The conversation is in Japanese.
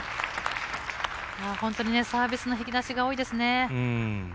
本当にサービスの引き出しが多いですね。